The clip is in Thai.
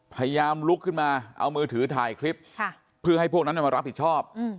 พยายามลุกขึ้นมาเอามือถือถ่ายคลิปเพื่อให้พวกนั้นมารับผิดชอบ